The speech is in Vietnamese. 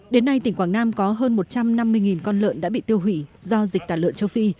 đến nay tỉnh quảng nam có hơn một trăm năm mươi con lợn đã bị tiêu hủy do dịch tả lợn châu phi